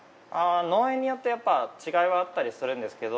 農園によってやっぱ違いはあったりするんですけど